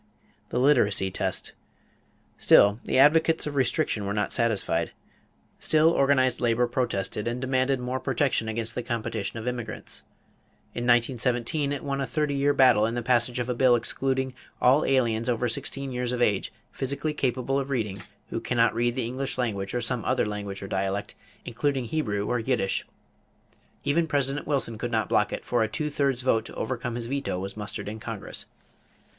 =The Literacy Test.= Still the advocates of restriction were not satisfied. Still organized labor protested and demanded more protection against the competition of immigrants. In 1917 it won a thirty year battle in the passage of a bill excluding "all aliens over sixteen years of age, physically capable of reading, who cannot read the English language or some other language or dialect, including Hebrew or Yiddish." Even President Wilson could not block it, for a two thirds vote to overcome his veto was mustered in Congress.